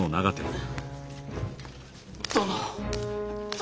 殿。